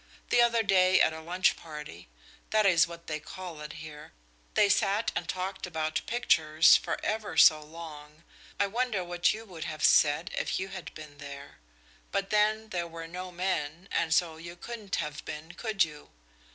The other day at a lunch party that is what they call it here they sat and talked about pictures for ever so long. I wonder what you would have said if you had been there! but then there were no men, and so you couldn't have been, could you?